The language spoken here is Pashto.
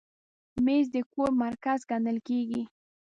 مېز د کور مرکز ګڼل کېږي.